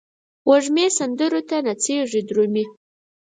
وږمې سندرو ته نڅیږې درومې